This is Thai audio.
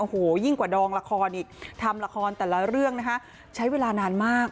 โอ้โหยิ่งกว่าดองละครอีกทำละครแต่ละเรื่องนะคะใช้เวลานานมาก